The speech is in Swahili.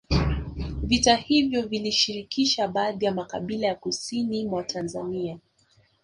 Vita hivyo vilishirikisha baadhi ya makabila ya kusini mwa Tanzania